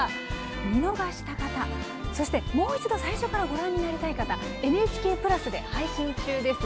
見逃した方、そして、もう一度最初からご覧になりたい方ＮＨＫプラスで配信中です。